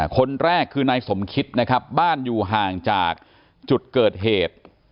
คนแรกคือนายสมคิดนะครับบ้านอยู่ห่างจากจุดเกิดเหตุ